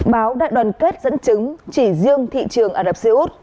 báo đại đoàn kết dẫn chứng chỉ riêng thị trường ả rập xê út